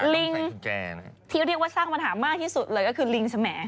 ลิงที่เรียกว่าสร้างปัญหามากที่สุดเลยก็คือลิงสม